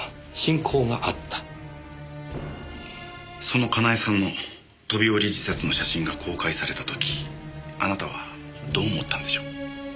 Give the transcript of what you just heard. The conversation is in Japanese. その佳苗さんの飛び降り自殺の写真が公開された時あなたはどう思ったんでしょう？